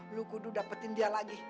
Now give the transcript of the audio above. lu kudu dapetin dia lagi